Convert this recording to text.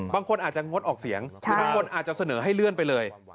บางคนอาจจะงดออกเสียงหรือบางคนอาจจะเสนอให้เลื่อนไปเลย